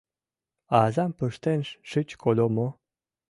Азам пыштен шыч кодо мо?